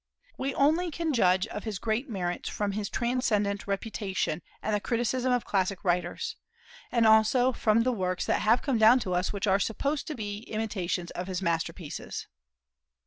We only can judge of his great merits from his transcendent reputation and the criticism of classic writers, and also from the works that have come down to us which are supposed to be imitations of his masterpieces.